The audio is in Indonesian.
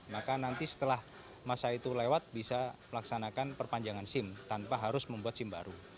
maka nanti setelah masa itu lewat bisa melaksanakan perpanjangan sim tanpa harus membuat sim baru